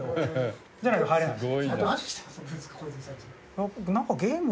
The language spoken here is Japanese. じゃないと入れないです。